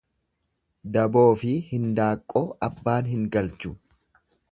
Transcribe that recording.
Daboofi hindaaqqoo abbaan hin galchu.